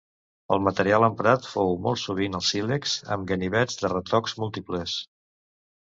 El material emprat fou molt sovint el sílex, amb ganivets de retocs múltiples.